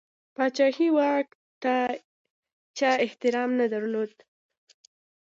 پاچهي واک ته چا احترام نه درلود.